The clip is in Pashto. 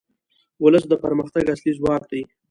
ولس د پرمختګ اصلي ځواک دی.